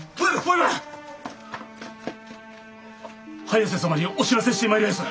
早瀬様にお知らせしてまいりやす。